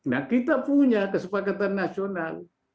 nah kita punya kesepakatan nasional